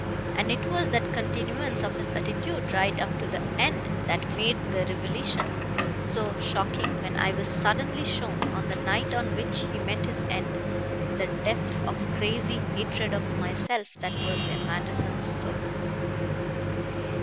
And it was that continuance of his attitude right up to the end that made the revelation so shocking when I was suddenly shown, on the night on which he met his end, the depth of crazy hatred of myself that was in Manderson's soul."